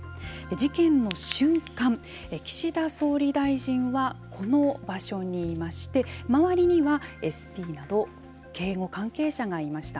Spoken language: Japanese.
事件の瞬間、岸田総理大臣はこの場所にいまして周りには、ＳＰなど警護関係者がいました。